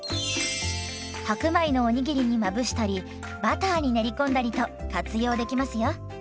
白米のお握りにまぶしたりバターに練り込んだりと活用できますよ。